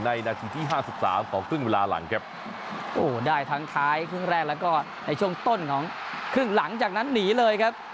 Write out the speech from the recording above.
นาทีที่ห้าสิบสามของครึ่งเวลาหลังครับโอ้โหได้ทั้งท้ายครึ่งแรกแล้วก็ในช่วงต้นของครึ่งหลังจากนั้นหนีเลยครับ